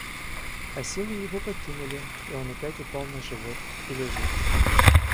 А силы его покинули, и он опять упал на живот и лежит.